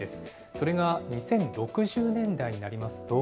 それが２０６０年代になりますと。